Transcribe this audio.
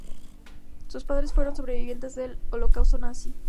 Sus padres fueron sobrevivientes del Holocausto nazi.